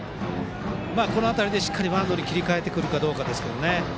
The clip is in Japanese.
この辺りでしっかりバントに切り替えてくるかです。